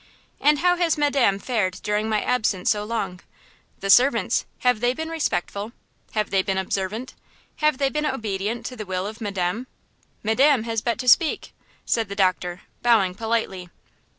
"And how has madame fared during my absence so long? The servants–have they been respectful? Have they been observant? Have they been obedient to the will of madame? Madame has but to speak!" said the doctor, bowing politely.